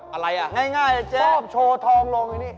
อะไรอ่ะง่ายเจ๊โชว์ทองลงไอ้นี่